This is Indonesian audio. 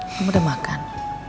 kamu udah makan